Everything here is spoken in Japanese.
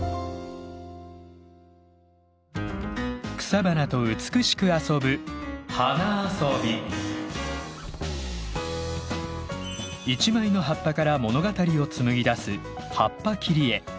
草花と美しく遊ぶ一枚の葉っぱから物語を紡ぎ出す葉っぱ切り絵。